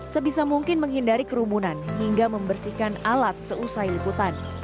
sebisa mungkin menghindari kerumunan hingga membersihkan alat seusai liputan